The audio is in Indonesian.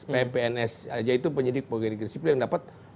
ppns aja itu penyidik pemerintah resipi yang dapat